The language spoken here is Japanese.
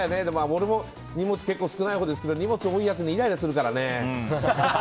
俺も荷物少ないほうですけど荷物多いやつにイライラするからね。